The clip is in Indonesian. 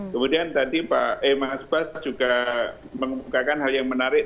kemudian tadi mas bas juga mengumumkakan hal yang menarik